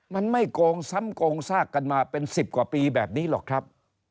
มันไม่โกงซ้ำโกงซากกันมาเป็น๑๐กว่าปีแบบนี้หรอกครับ